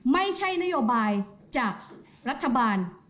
ไม่ใช่นโยบายจากรัฐบาล